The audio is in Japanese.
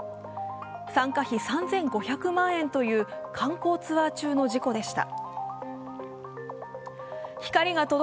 参加費３５００万円という観光ツアー中の事故でした。